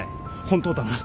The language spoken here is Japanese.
本当だな？